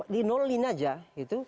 dinol in saja gitu